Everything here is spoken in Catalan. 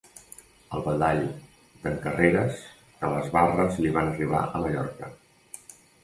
El badall d'en Carreres, que les barres li van arribar a Mallorca.